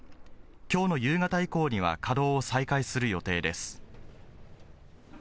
きょうの夕方以降には稼働を再開する予定です。